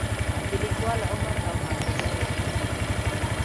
د لیکوال عمر او حافظه یاري نه کوي.